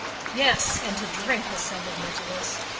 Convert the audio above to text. "Yes, and to drink," assented Nicholas.